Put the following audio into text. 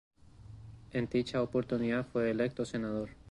En dicha oportunidad fue electo senador.